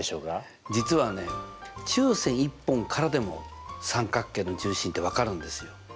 実はね中線１本からでも三角形の重心って分かるんですよ。